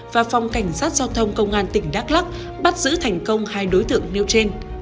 và phòng cảnh sát giao thông công an tỉnh đắk lắc bắt giữ thành công hai đối tượng nêu trên